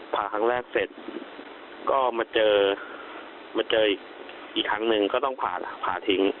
ผ่าครั้งแรกเสร็จก็มาเจออีกครั้งนึงก็ต้องผ่าทิ้ง